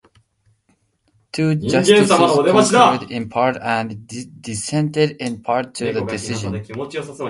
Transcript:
Two Justices concurred in part and dissented in part to the decision.